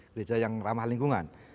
gereja yang ramah lingkungan